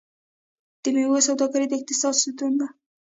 د میوو سوداګري د اقتصاد ستون ده.